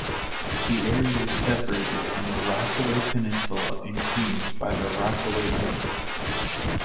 The area is separated from the Rockaway Peninsula in Queens by the Rockaway Inlet.